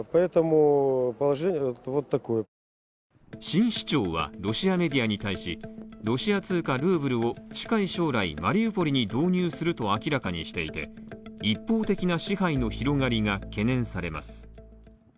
新市長はロシアメディアに対しロシア通貨ルーブルを近い将来、マリウポリに導入すると明らかにしていて一方的な支配の広がりが懸念されます。